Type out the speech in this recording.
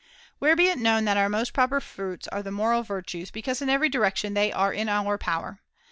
Where be it known that our most proper fruits are the moral [^20^ virtues, because in every direction they are in our power.